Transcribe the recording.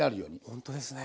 ほんとですね。